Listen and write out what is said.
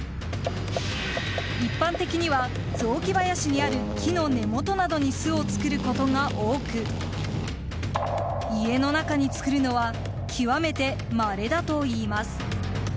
一般的には雑木林にある木の根元などに巣を作ることが多く家の中に作るのは極めてまれだといいます。